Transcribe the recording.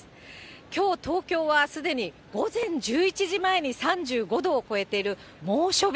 きょう、東京はすでに午前１１時前に３５度を超えている猛暑日。